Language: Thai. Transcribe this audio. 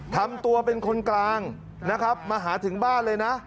ทำตัวเป็นคนกลางนะครับมาหาถึงบ้านเลยนะ